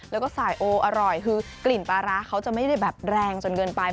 แล้วก็สายโออร่อยคือกลิ่นปลาร้าเขาจะไม่ได้แบบแรงจนเกินไป